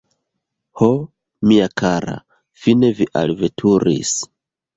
Ho, mia kara, fine vi alveturis!